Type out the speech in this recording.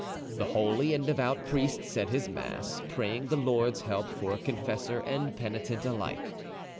The holy and devout priest said his mass, praying the Lord's help for confessor and penitent alike.